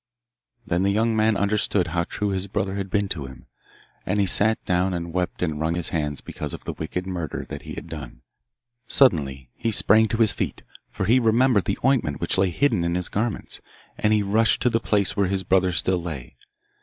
Then the young man understood how true his brother had been to him, and he sat down and wept and wrung his hands because of the wicked murder that he had done. Suddenly he sprang to his feet, for he remembered the ointment which lay hidden in his garments, and he rushed to the place where his brother still lay.